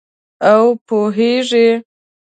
او پوهیږې